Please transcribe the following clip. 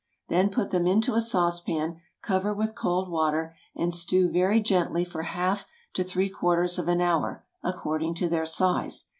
Then put them into a saucepan, cover with cold water, and stew very gently for from half to three quarters of an hour, according to their size.